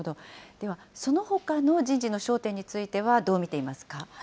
ではそのほかの人事の焦点については、どう見ていますか。